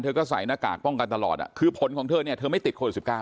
เธอก็ใส่หน้ากากป้องกันตลอดอ่ะคือผลของเธอเนี่ยเธอไม่ติดโคลดสิบเก้า